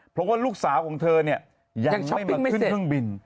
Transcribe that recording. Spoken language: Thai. เพราะว่าลูกสาวของเธอเนี่ยยังไม่มาขึ้นเครื่องบิน